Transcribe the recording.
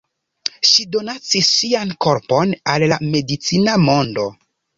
Ŝi donacis sian korpon al la medicina mondo.